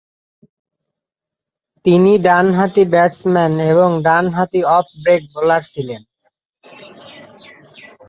তিনি ডানহাতি ব্যাটসম্যান এবং ডানহাতি অফ ব্রেক বোলার ছিলেন।